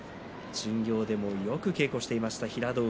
巡業でもよく稽古をしていた、平戸海。